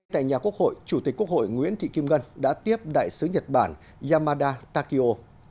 tại nhà quốc hội chủ tịch quốc hội nguyễn thị kim ngân đã tiếp đại sứ nhật bản yamada takio